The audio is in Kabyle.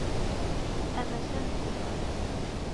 Amasal n teẓrigt.